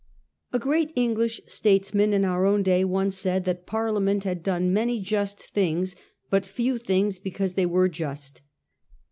A great English statesman in our own ddy once said that Parliament had done many just things, but few things because they were just.